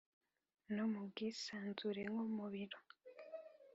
no mu bwisanzure nko mu biro.